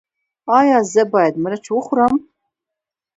ایا زه باید مرچ وخورم؟